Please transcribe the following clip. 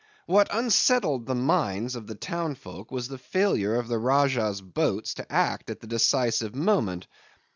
What unsettled the minds of the townsfolk was the failure of the Rajah's boats to act at the decisive moment.